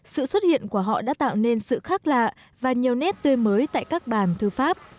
sự xuất hiện của họ đã tạo nên sự khác lạ và nhiều nét tươi mới tại các bàn thư pháp